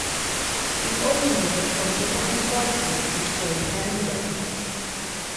It originated from Japan's card game which called Hanahuda.